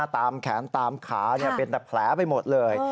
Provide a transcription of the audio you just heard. ตามแขนตามขาเป็นแต่แผลไปหมดเลย